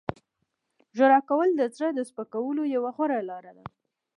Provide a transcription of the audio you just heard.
• ژړا کول د زړه د سپکولو یوه غوره لاره ده.